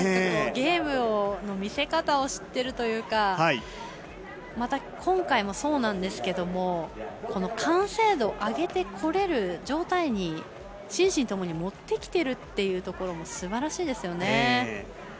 ゲームの見せ方を知ってるというかまた、今回もそうなんですけど完成度、上げてこれる状態に心身ともに持ってきてるってところもすばらしいですよね。